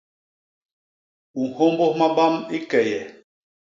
U nhômbôs mabam i key e?